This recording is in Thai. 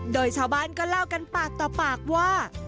โดยชาวบ้านก็เล่ากันปากต่อปากว่า